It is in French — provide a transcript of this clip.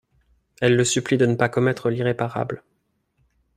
Elle le supplie de ne pas commettre l’irréparable.